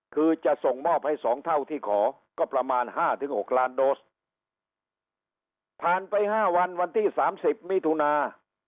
คือจะส่งมอบให้สองเท่าที่ขอก็ประมาณห้าถึงหกล้านโดสผ่านไปห้าวันวันที่สามสิบมิถุนา